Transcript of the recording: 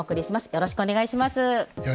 よろしくお願いします。